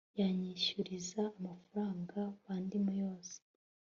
yanyishyuriza amafaranga bandimo yose